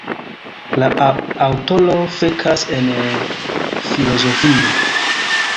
La aŭtoro fakas en filozofio.